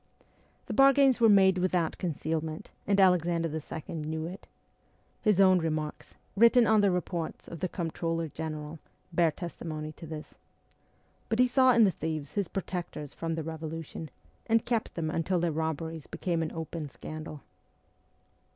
The bargains were made without concealment, and Alexander II. knew it. His own remarks, written on the reports of the Comptroller General, bear testimony to this. But he saw in the thieves his protectors from the revolution, and kept them until their robberies became an open scandal.